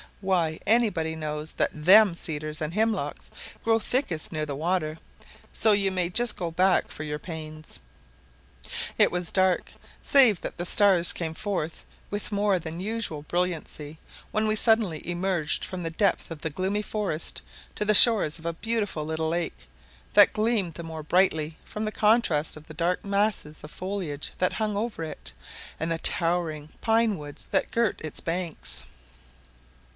Why, any body knows that them cedars and himlocks grow thickest near the water; so you may just go back for your pains." It was dark, save that the stars came forth with more than usual brilliancy, when we suddenly emerged from the depth of the gloomy forest to the shores of a beautiful little lake, that gleamed the more brightly from the contrast of the dark masses of foliage that hung over it, and the towering pine woods that girt its banks.